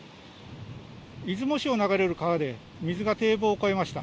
出雲市を流れる川で水が堤防を越えました。